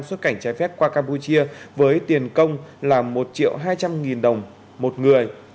xuất cảnh trái phép qua campuchia với tiền công là một triệu hai trăm linh nghìn đồng một người